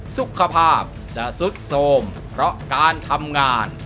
สุขภาพจะสุดโทรมเพราะการทำงาน